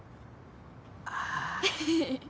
ああ。